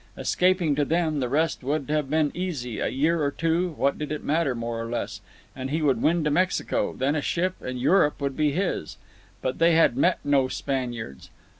Escaping to them, the rest would have been easy—a year or two, what did it matter more or less—and he would win to Mexico, then a ship, and Europe would be his. But they had met no Spaniards.